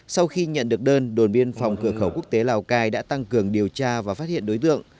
sau khi nhận được đơn đồn biên phòng cửa khẩu quốc tế lào cai đã tăng cường điều tra và phát hiện đối tượng